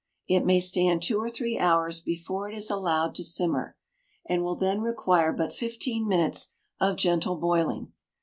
It may stand two or three hours before it is allowed to simmer, and will then require but fifteen minutes of gentle boiling.